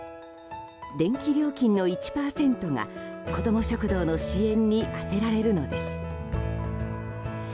電気料金の１％が子ども食堂の支援に充てられるのです。